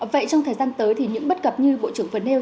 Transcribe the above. vậy trong thời gian tới thì những bất cập như bộ trưởng vừa nêu